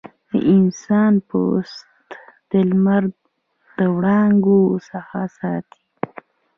د انسان پوست د لمر د وړانګو څخه ساتي.